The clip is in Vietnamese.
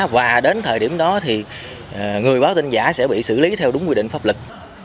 và đến thời điểm đó thì người báo tin giả sẽ bị xử lý theo đúng quy định pháp lực